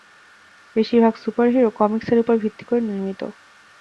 বেশিরভাগ সুপারহিরো কমিক্সের উপর ভিত্তি করে নির্মিত।